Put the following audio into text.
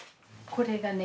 これがね